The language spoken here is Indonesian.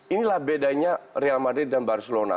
inilah bedanya real madrid dan barcelona